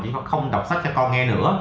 thì nó không đọc sách cho con nghe nữa